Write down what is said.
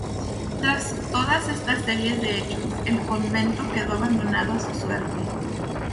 Tras todas estas series de hechos, el convento quedó abandonado a su suerte.